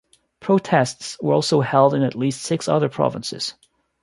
Protests were also held in at least six other provinces.